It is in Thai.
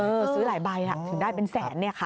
เธอซื้อหลายใบถึงได้เป็นแสนเนี่ยค่ะ